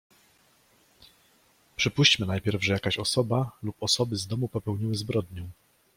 "Przypuścimy najpierw, że jakaś osoba lub osoby z domu popełniły zbrodnię."